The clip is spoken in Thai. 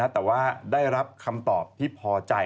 แต่ว่าได้รับคำตอบที่พอใจ